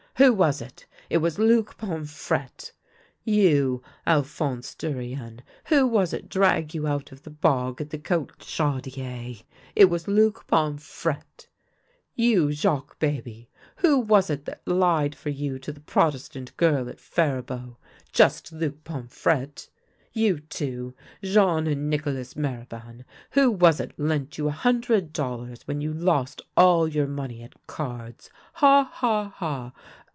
Who was it ? It was Luc Pom frette. You, Alphonse Durien, who was it drag you out of the bog at the Cote Chaudiere? It was Luc Pomfrette. You, Jacques Baby, who was it that lied for you to the Protestant girl at Faribeau ? Just Luc Pomfrette. You two, Jean and Nicolas Mariban, who was it lent you a hundred dollars when you lost all your money at cards? Ha, ha, ha!